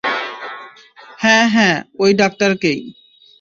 হ্যাঁ, হ্যাঁ, ওই ডাক্তারকেই।